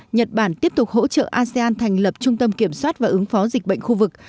nhật bản tiếp tục hỗ trợ asean thành lập trung tâm kiểm soát và ứng phó dịch bệnh khu vực